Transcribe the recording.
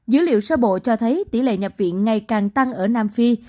dữ liệu sơ bộ cho thấy tỷ lệ nhập viện ngày càng tăng ở nam phi